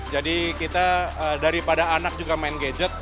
jadi kita daripada anak juga main gadget